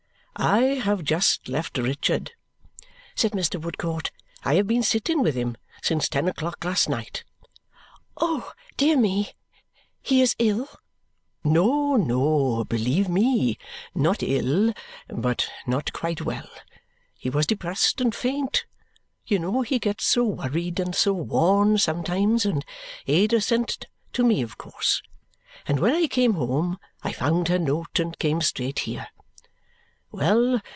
"I have just left Richard," said Mr. Woodcourt. "I have been sitting with him since ten o'clock last night." "Oh, dear me, he is ill!" "No, no, believe me; not ill, but not quite well. He was depressed and faint you know he gets so worried and so worn sometimes and Ada sent to me of course; and when I came home I found her note and came straight here. Well!